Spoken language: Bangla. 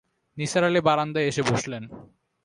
নিসার আলি বায়ান্দায় এসে বসলেন।